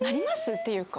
っていうか。